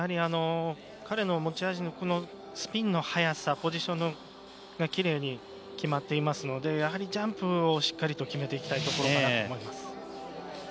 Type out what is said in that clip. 彼の持ち味のスピンの速さポジションが奇麗に決まっていますのでやはりジャンプをしっかりと決めていきたいです。